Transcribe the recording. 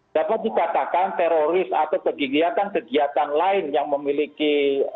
dapat dikatakan teroris atau kegiatan kegiatan lain yang memiliki